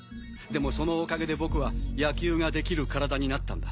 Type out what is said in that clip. でもそのおかげで僕は野球ができる体になったんだ。